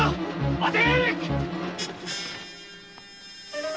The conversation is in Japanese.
待て！